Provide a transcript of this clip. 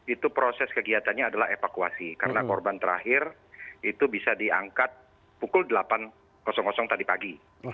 itu proses kegiatannya adalah evakuasi karena korban terakhir itu bisa diangkat pukul delapan tadi pagi